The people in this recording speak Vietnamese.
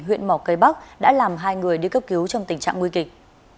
huyện mỏ cây bắc đã làm hai người đi cấp cứu trong tình trạng nguy kịch